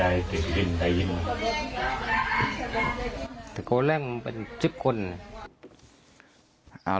เท่าไรได้เตียภิรินได้ยินแต่ก็แรกมันเป็นจิบคนอ่า